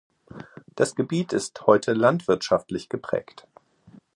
Das Gebiet ist heute landwirtschaftlich geprägt.